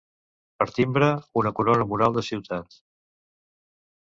Per timbre, una corona mural de ciutat.